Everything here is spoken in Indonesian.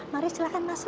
mari silahkan masuk